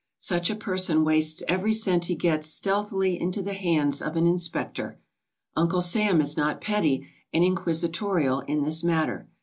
Such a person wastes every cent he gets stealthily into the hands of an inspector. Uncle Sam is not petty and inquisitorial in this matter.